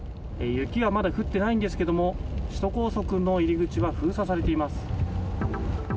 雪はまだ降ってないんですけれども、首都高速の入り口は封鎖されています。